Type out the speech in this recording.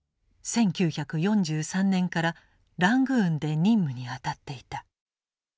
１９４３年からラングーンで任務に当たっていた。